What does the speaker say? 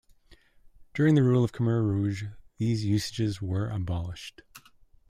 During the rule of the Khmer Rouge, these usages were abolished.